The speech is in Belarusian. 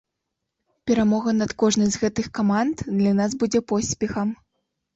Перамога над кожнай з гэтых каманд для нас будзе поспехам.